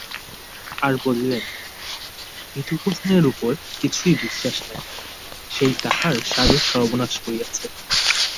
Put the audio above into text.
আর বলিলেন, বিধুভূষণের উপর কিছুই বিশ্বাস নাই, সেই তাঁহার স্বামীর সর্বনাশ করিয়াছে।